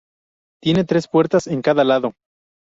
Tienen tres puertas en cada lado.